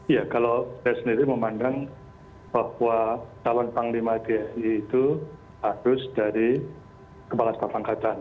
ya kalau saya sendiri memandang bahwa calon panglima tni itu harus dari kepala staf angkatan